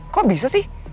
kok bisa sih